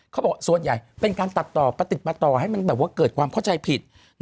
เขาบอกส่วนใหญ่เป็นการตัดต่อประติดประต่อให้มันแบบว่าเกิดความเข้าใจผิด